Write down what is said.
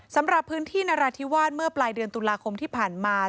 สำหรับพื้นที่นราธิวาสเมื่อปลายเดือนตุลาคมที่ผ่านมา